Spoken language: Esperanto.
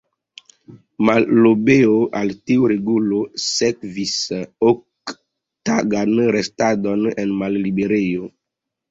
Malobeo al tiu regulo sekvigis ok-tagan restadon en malliberejo.